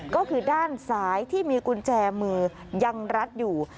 ก็คือด้านซ้ายที่มีกุญแจมือยังรัดอยู่